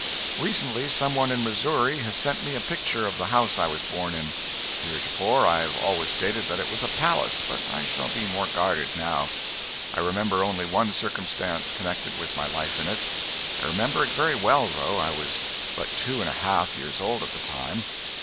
Recently some one in Missouri has sent me a picture of the house I was born in. Heretofore I have always stated that it was a palace, but I shall be more guarded, now. I remember only one circumstance connected with my life in it. I remember it very well, though I was but two and a half years old at the time.